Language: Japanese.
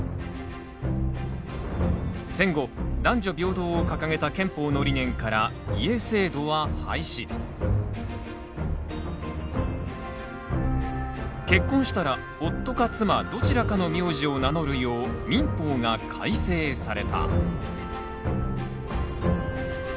戦後男女平等を掲げた憲法の理念から結婚したら夫か妻どちらかの名字を名乗るよう民法が改正された。